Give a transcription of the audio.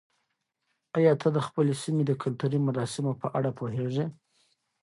آیا ته د خپلې سیمې د کلتوري مراسمو په اړه پوهېږې؟